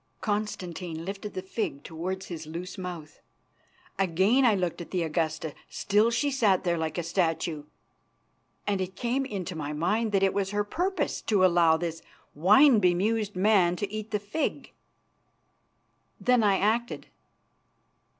Constantine lifted the fig towards his loose mouth. Again I looked at the Augusta. Still she sat there like a statue, and it came into my mind that it was her purpose to allow this wine bemused man to eat the fig. Then I acted.